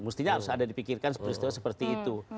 mestinya harus ada dipikirkan peristiwa seperti itu